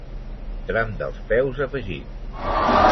Tram dels peus afegit.